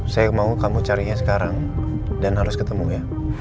saya mau kamu carinya sekarang dan harus ketemu ya